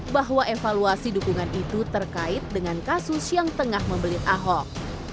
bahwa evaluasi dukungan itu terkait dengan kasus yang tengah membelit ahok